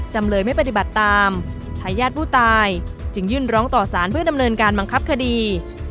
จำเลยไม่ปฏิบัติตามทายาทผู้ตายจึงยื่นร้องต่อสารเพื่อดำเนินการบังคับคดี